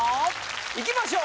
いきましょう